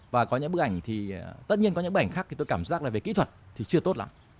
và có những bức ảnh thì tất nhiên có những bảnh khác thì tôi cảm giác là về kỹ thuật thì chưa tốt lắm